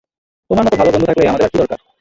তোমার মতো ভালো বন্ধু থাকলে আমাদের আর কী দরকার?